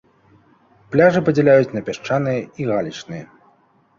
Пляжы падзяляюць на пясчаныя і галечныя.